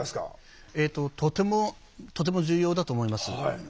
えっととても重要だと思います。